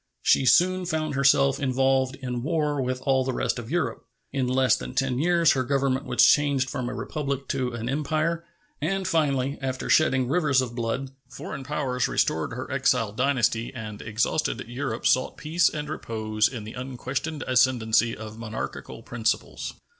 She soon found herself involved in war with all the rest of Europe. In less than ten years her Government was changed from a republic to an empire, and finally, after shedding rivers of blood, foreign powers restored her exiled dynasty and exhausted Europe sought peace and repose in the unquestioned ascendency of monarchical principles.